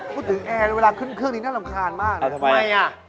อ๋อพูดถึงอแอร์เวลาขึ้นเครื่องนี้น่ารำคาญมากอ๋อทำไมอ่ะ